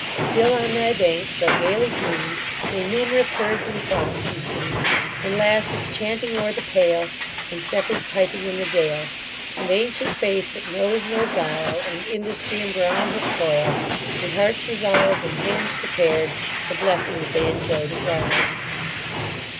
Still on thy banks so gayly green, May num'rous herds and flocks be seen, And lasses chanting o'er the pail, And shepherds piping in the dale, And ancient faith that knows no guile, And industry imbrown'd with toil, And hearts resolv'd, and hands prepar'd, The blessings they enjoy to guard.